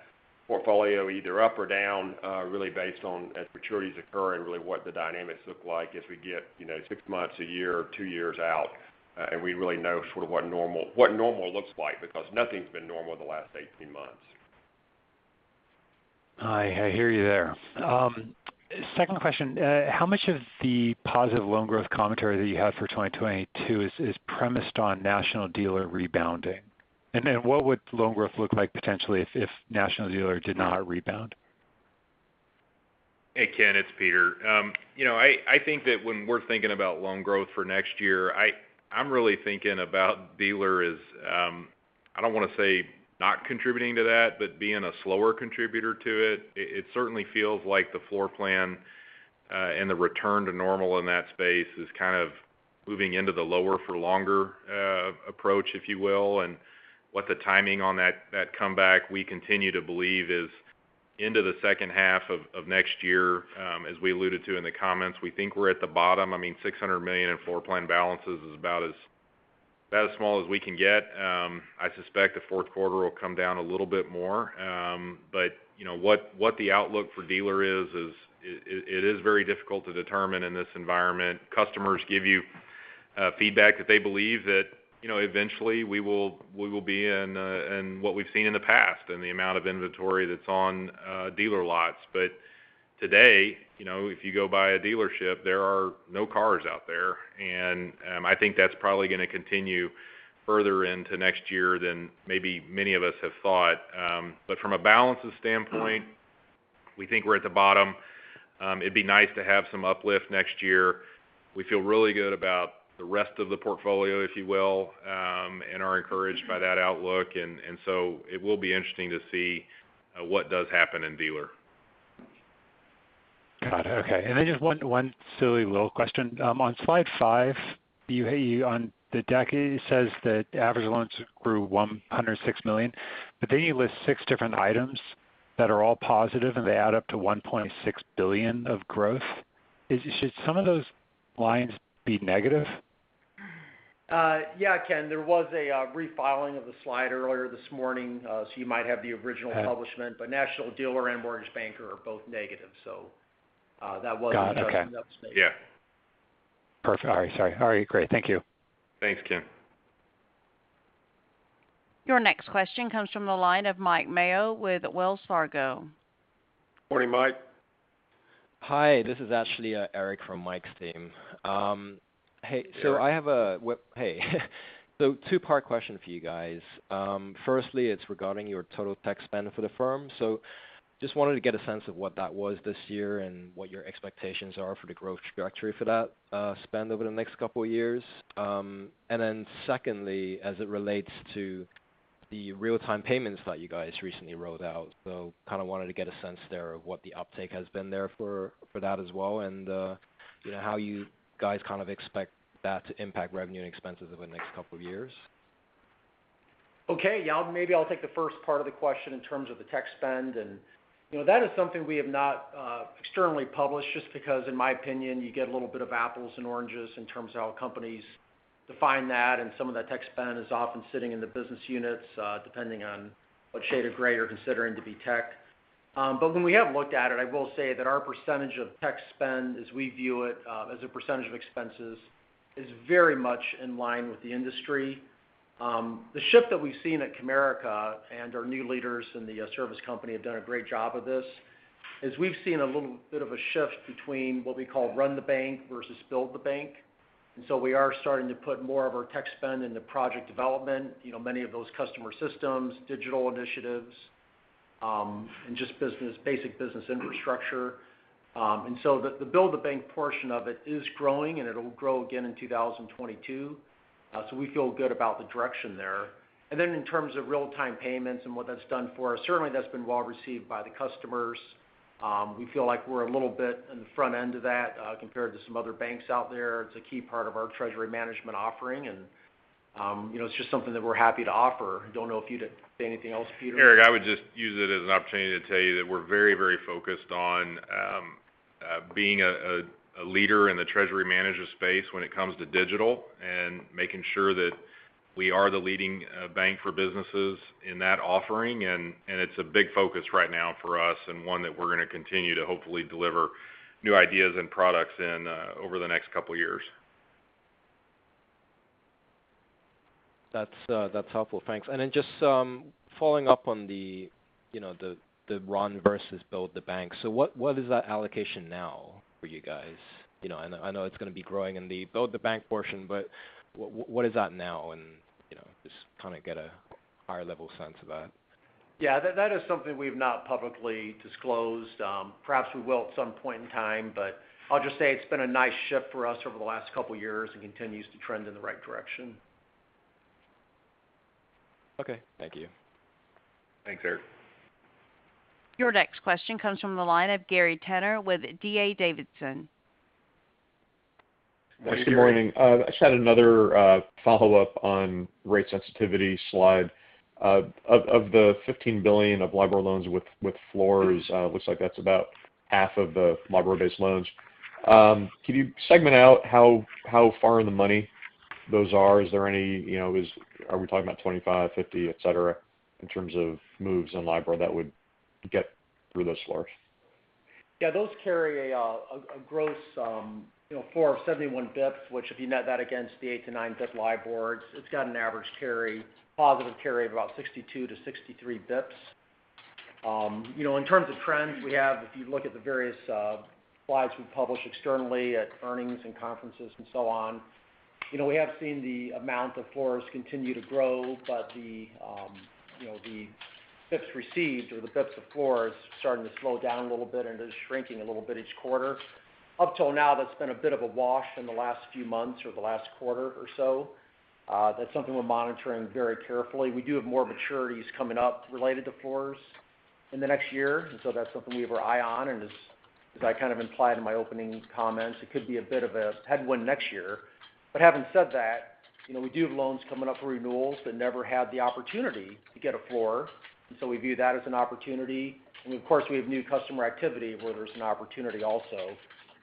portfolio either up or down really based on as maturities occur and really what the dynamics look like as we get 6 months, a year, or 2 years out, and we really know what normal looks like, because nothing's been normal in the last 18 months. I hear you there. Second question. How much of the positive loan growth commentary that you have for 2022 is premised on National Dealer rebounding? What would loan growth look like potentially if National Dealer did not rebound? Hey, Ken, it's Peter. I think that when we're thinking about loan growth for next year, I'm really thinking about Dealer as, I don't want to say not contributing to that, but being a slower contributor to it. It certainly feels like the floor plan and the return to normal in that space is kind of moving into the lower for longer approach, if you will. What the timing on that comeback, we continue to believe is into the second half of next year. As we alluded to in the comments, we think we're at the bottom. $600 million in floor plan balances is about as small as we can get. I suspect the fourth quarter will come down a little bit more. What the outlook for Dealer is, it is very difficult to determine in this environment. Customers give you feedback that they believe that eventually we will be in what we've seen in the past in the amount of inventory that's on dealer lots. Today, if you go by a dealership, there are no cars out there. I think that's probably going to continue further into next year than maybe many of us have thought. From a balances standpoint, we think we're at the bottom. It'd be nice to have some uplift next year. We feel really good about the rest of the portfolio, if you will, and are encouraged by that outlook. It will be interesting to see what does happen in Dealer. Got it. Okay. Just one silly little question. On slide five, on the deck, it says that average loans grew $106 million, but then you list six different items that are all positive, and they add up to $1.6 billion of growth. Should some of those lines be negative? Yeah, Ken, there was a refiling of the slide earlier this morning. you might have the original Got it. publishment. National Dealer and Mortgage Banker are both negative. Got it. Okay Yeah. Perfect. All right. Sorry. All right, great. Thank you. Thanks, Ken. Your next question comes from the line of Mike Mayo with Wells Fargo. Morning, Mike. Hi, this is actually Eric from Mike's team. Hey, Eric. Hey. two part question for you guys. Firstly, it's regarding your total tech spend for the firm. Just wanted to get a sense of what that was this year and what your expectations are for the growth trajectory for that spend over the next couple of years. Secondly, as it relates to the real-time payments that you guys recently rolled out, kind of wanted to get a sense there of what the uptake has been there for that as well and how you guys kind of expect that to impact revenue and expenses over the next couple of years. Okay. Yeah. Maybe I'll take the first part of the question in terms of the tech spend. That is something we have not externally published just because, in my opinion, you get a little bit of apples and oranges in terms of how companies define that, and some of that tech spend is often sitting in the business units, depending on what shade of gray you're considering to be tech. When we have looked at it, I will say that our percentage of tech spend as we view it as a percentage of expenses is very much in line with the industry. The shift that we've seen at Comerica and our new leaders in the service company have done a great job of this. As we've seen a little bit of a shift between what we call run the bank versus build the bank. We are starting to put more of our tech spend into project development, many of those customer systems, digital initiatives, and just basic business infrastructure. The build the bank portion of it is growing, and it'll grow again in 2022. We feel good about the direction there. In terms of real-time payments and what that's done for us, certainly that's been well received by the customers. We feel like we're a little bit in the front end of that compared to some other banks out there. It's a key part of our treasury management offering, and it's just something that we're happy to offer. Don't know if you'd say anything else, Peter. Eric, I would just use it as an opportunity to tell you that we're very focused on being a leader in the treasury management space when it comes to digital and making sure that we are the leading bank for businesses in that offering. It's a big focus right now for us and one that we're going to continue to hopefully deliver new ideas and products in over the next couple of years. That's helpful. Thanks. Then just following up on the run versus build the bank. What is that allocation now for you guys? I know it's going to be growing in the build the bank portion, but what is that now? Just kind of get a higher level sense of that. Yeah, that is something we've not publicly disclosed. Perhaps we will at some point in time, but I'll just say it's been a nice shift for us over the last couple of years and continues to trend in the right direction. Okay, thank you. Thanks, Eric. Your next question comes from the line of Gary Tenner with D.A. Davidson. Good morning. Hi, good morning. I just had another follow-up on rate sensitivity slide. Of the $15 billion of LIBOR loans with floors, looks like that's about half of the LIBOR-based loans. Can you segment out how far in the money those are? Are we talking about 25, 50, et cetera, in terms of moves in LIBOR that would get through those floors? Yeah, those carry a gross floor of 71 basis points, which if you net that against the 8 to 9 basis points LIBORs, it's got an average positive carry of about 62 to 63 basis points. In terms of trends we have, if you look at the various slides we publish externally at earnings and conferences and so on, we have seen the amount of floors continue to grow, but the basis points received or the basis points of floors starting to slow down a little bit and is shrinking a little bit each quarter. Up till now, that's been a bit of a wash in the last few months or the last quarter or so. That's something we're monitoring very carefully. We do have more maturities coming up related to floors in the next year, and so that's something we have our eye on. As I kind of implied in my opening comments, it could be a bit of a headwind next year. Having said that, we do have loans coming up for renewals that never had the opportunity to get a floor, and so we view that as an opportunity. Of course, we have new customer activity where there's an opportunity also.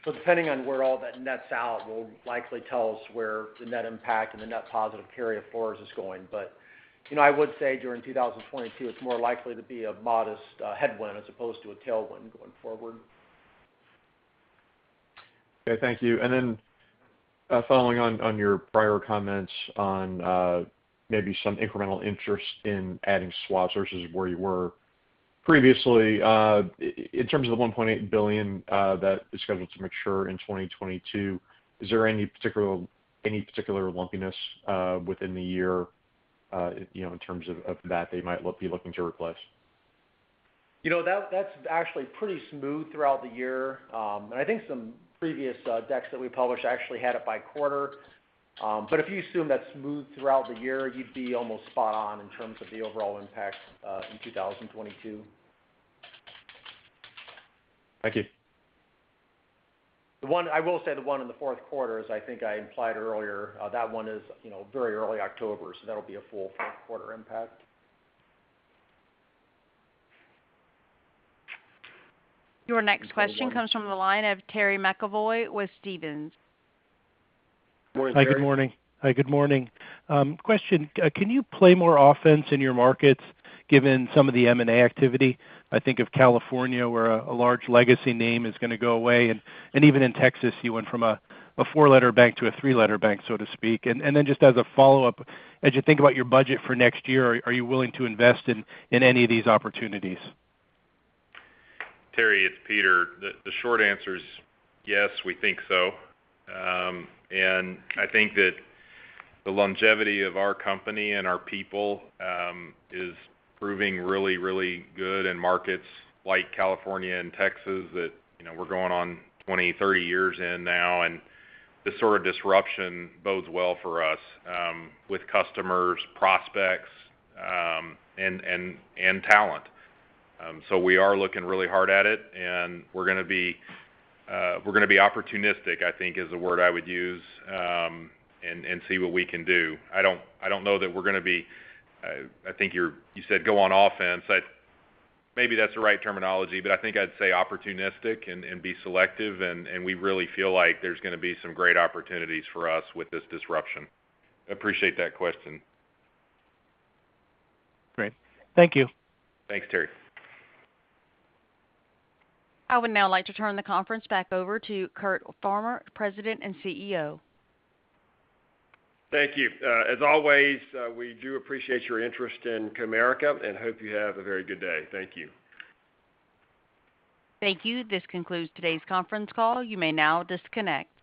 Depending on where all that nets out will likely tell us where the net impact and the net positive carry of floors is going. I would say during 2022, it's more likely to be a modest headwind as opposed to a tailwind going forward. Okay, thank you. Following on your prior comments on maybe some incremental interest in adding swaps versus where you were previously. In terms of the $1.8 billion that is scheduled to mature in 2022, is there any particular lumpiness within the year in terms of that they might be looking to replace? That's actually pretty smooth throughout the year. I think some previous decks that we published actually had it by quarter. If you assume that's smooth throughout the year, you'd be almost spot on in terms of the overall impact in 2022. Thank you. I will say the one in the fourth quarter, as I think I implied earlier, that one is very early October, so that'll be a full fourth quarter impact. Your next question comes from the line of Terry McEvoy with Stephens. Morning, Terry. Hi, good morning. Question, can you play more offense in your markets given some of the M&A activity? I think of California where a large legacy name is going to go away, even in Texas, you went from a four letter bank to a three letter bank, so to speak. Just as a follow-up, as you think about your budget for next year, are you willing to invest in any of these opportunities? Terry, it's Peter. The short answer is yes, we think so. I think that the longevity of our company and our people is proving really good in markets like California and Texas that we're going on 20, 30 years in now, and this sort of disruption bodes well for us with customers, prospects, and talent. We are looking really hard at it, and we're going to be opportunistic, I think is the word I would use, and see what we can do. I don't know that we're going to be. I think you said go on offense. Maybe that's the right terminology, but I think I'd say opportunistic and be selective, and we really feel like there's going to be some great opportunities for us with this disruption. I appreciate that question. Great. Thank you. Thanks, Terry. I would now like to turn the conference back over to Curtis Farmer, President and CEO. Thank you. As always, we do appreciate your interest in Comerica, and hope you have a very good day. Thank you. Thank you. This concludes today's conference call. You may now disconnect.